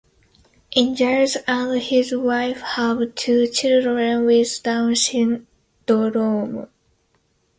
Ingels and his wife have two children with Down syndrome.